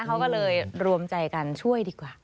เขาก็เลยรวมใจกันช่วยดีกว่า